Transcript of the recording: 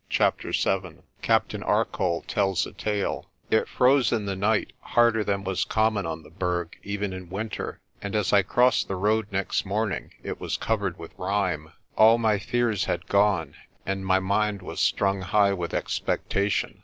CHAPTER VII CAPTAIN ARCOLL TELLS A TALE IT froze in the night, harder than was common on the Berg even in winter, and as I crossed the road next morning it was covered with rime. All my fears had gone, and my mind was strung high with expectation.